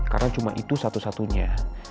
karena cuma itu satu satunya